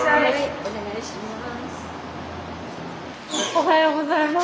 おはようございます。